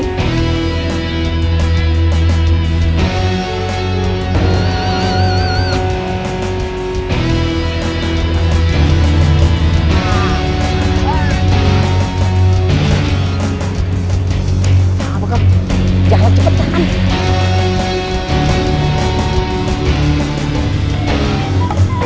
tidak ada yang menangkap